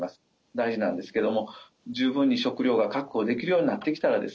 大事なんですけども十分に食料が確保できるようになってきたらですね